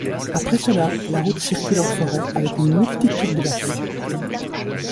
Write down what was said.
Après cela, la route circule en forêt avec une multitude de lacets.